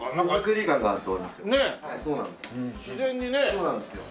そうなんですよ。